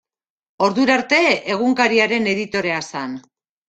Ordura arte egunkariaren editorea zen.